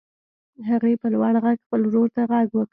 هغې په لوړ غږ خپل ورور ته غږ وکړ.